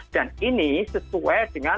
dan ini sesuai dengan